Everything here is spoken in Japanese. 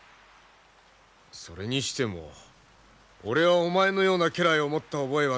それにしても俺はお前のような家来を持った覚えはないが？